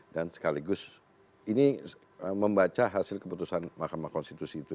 dan sekaligus ini membaca hasil keputusan mahkamah konstitusi itu